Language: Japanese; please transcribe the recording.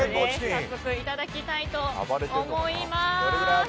さっそくいただきたいと思います。